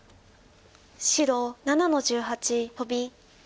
白７の十八トビ。